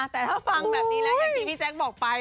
แต่ถ้าฟังแบบนี้แล้วอย่างที่พี่แจ๊คบอกไป